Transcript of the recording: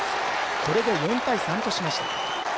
これで４対３としました。